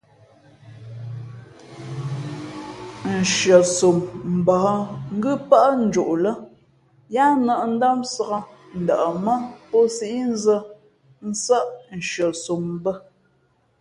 Hʉαsom mbα̌h ngʉ́ pάʼ njoʼ lά yáá nᾱp ndámsāk, ndαʼmά pō síʼ nzᾱ nsάʼ nshʉαsom bᾱ.